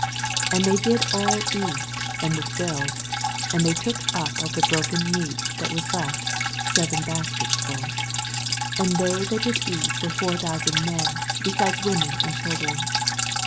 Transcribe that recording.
87 And they did all eat, and were filled : and thev took up of the broken fMot that was left seven baskets fhll. 88 And they that did eat were four thousand men, beside women and children.